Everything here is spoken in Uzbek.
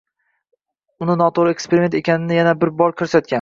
Uni notoʻgʻri eksperiment ekanini yana bir bor koʻrsatgan.